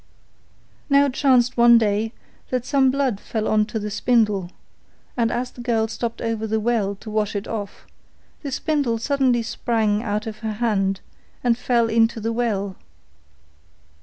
Now it chanced one day that some blood fell on to the spindle, and as the girl stopped over the well to wash it off, the spindle suddenly sprang out of her hand and fell into the well.